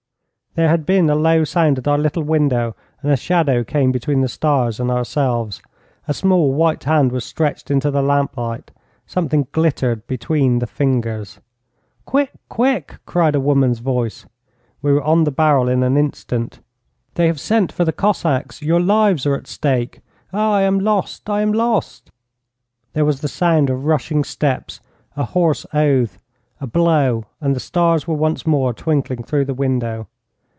There had been a low sound at our little window, and a shadow came between the stars and ourselves. A small, white hand was stretched into the lamplight. Something glittered between the fingers. 'Quick! quick!' cried a woman's voice. We were on the barrel in an instant. 'They have sent for the Cossacks. Your lives are at stake. Ah, I am lost! I am lost!' There was the sound of rushing steps, a hoarse oath, a blow, and the stars were once more twinkling through the window.